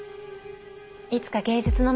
いつか芸術の都